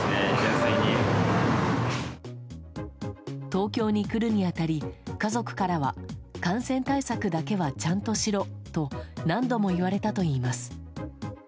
東京に来るに当たり家族からは感染対策だけはちゃんとしろと何度も言われたといいます。